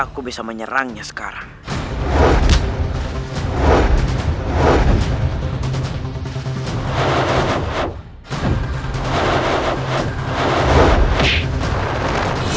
kenapa kau akhirnya kalah